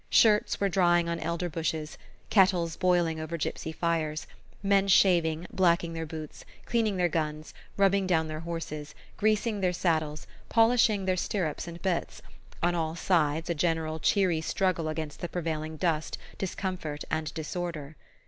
Shirts were drying on elder bushes, kettles boiling over gypsy fires, men shaving, blacking their boots, cleaning their guns, rubbing down their horses, greasing their saddles, polishing their stirrups and bits: on all sides a general cheery struggle against the prevailing dust, discomfort and disorder.